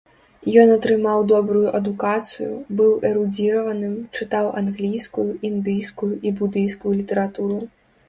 Ён атрымаў добрую адукацыю, быў эрудзіраваным, чытаў англійскую, індыйскую і будыйскую літаратуру.